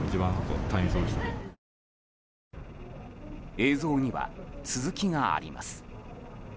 映像には続きがあります。